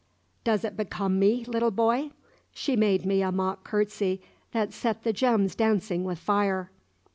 "Does it become me, little boy?" She made me a mock curtsey that set the gems dancing with fire.